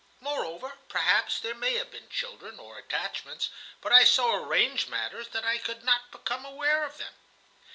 Moreover, perhaps there may have been children or attachments; but I so arranged matters that I could not become aware of them.